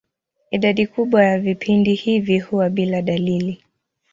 Idadi kubwa ya vipindi hivi huwa bila dalili.